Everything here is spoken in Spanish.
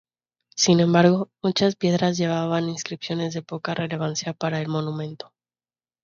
Sin embargo, muchas piedras llevaban inscripciones de poca relevancia para el monumento.